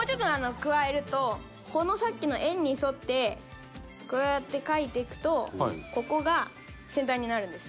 このさっきの円に沿ってこうやって描いていくとここが先端になるんです。